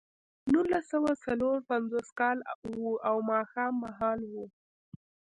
نولس سوه څلور پنځوس کال و او ماښام مهال و